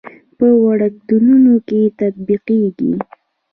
په وړکتونونو کې تطبیقېږي.